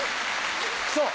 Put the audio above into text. そう！